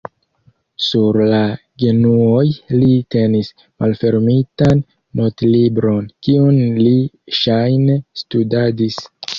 Sur la genuoj li tenis malfermitan notlibron, kiun li ŝajne studadis.